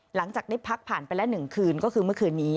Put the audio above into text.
หลังจากได้พักผ่านไปละ๑คืนก็คือเมื่อคืนนี้